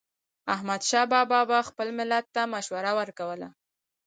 احمدشاه بابا به خپل ملت ته مشوره ورکوله.